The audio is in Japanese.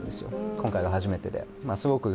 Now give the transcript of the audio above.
今回が初めてで。